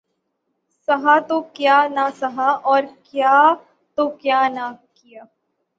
سہا تو کیا نہ سہا اور کیا تو کیا نہ کیا